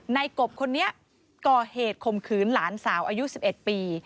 กบคนนี้ก่อเหตุข่มขืนหลานสาวอายุ๑๑ปี